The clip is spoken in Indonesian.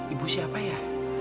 ibu siapa ya